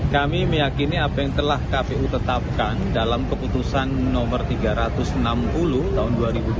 kami meyakini apa yang telah kpu tetapkan dalam keputusan nomor tiga ratus enam puluh tahun dua ribu dua puluh